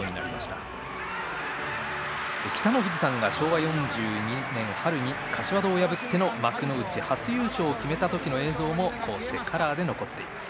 北の富士さんが柏戸を破り幕内初優勝を決めた時の映像もカラーで残っています。